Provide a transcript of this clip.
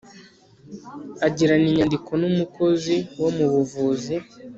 agirana inyandiko n umukozi wo mu buvuzi